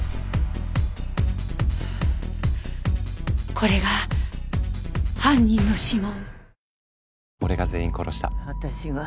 これが犯人の指紋。